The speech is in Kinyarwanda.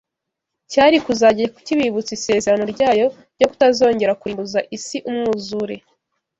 cyari kuzajya kibibutsa isezerano ryayo ryo kutazongera kurimbuza isi umwuzure